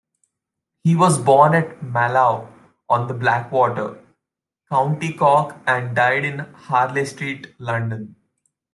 He was born at Mallow-on-the-Blackwater, County Cork, and died in Harley Street, London.